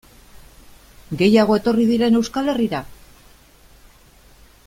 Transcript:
Gehiago etorri diren Euskal Herrira?